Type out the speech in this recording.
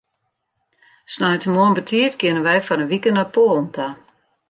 Sneintemoarn betiid geane wy foar in wike nei Poalen ta.